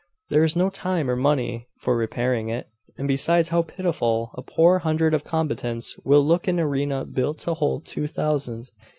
There is no time or money for repairing it; and besides, how pitiful a poor hundred of combatants will look in an arena built to hold two thousand!